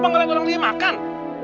apa nggak boleh tolong dia makan